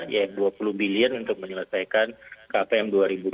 ya dua puluh billion untuk menyelesaikan kpm dua ribu dua puluh